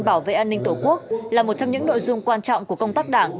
bảo vệ an ninh tổ quốc là một trong những nội dung quan trọng của công tác đảng